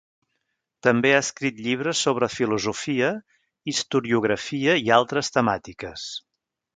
També ha escrit llibres sobre filosofia, historiografia i altres temàtiques.